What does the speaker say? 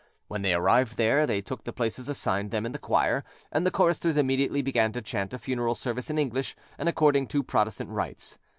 When they arrived there, they took the places assigned them in the choir, and the choristers immediately began to chant a funeral service in English and according to Protestant rites.